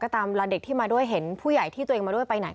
ตามละเด็กที่มาด้วยเห็นผู้ใหญ่ที่ตัวเองมาด้วยไปไหน